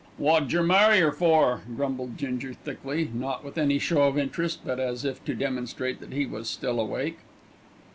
"Wot jer marry 'er for?" grumbled Ginger thickly, not with any show of interest, but as if to demonstrate that he was still awake.